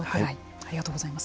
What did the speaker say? ありがとうございます。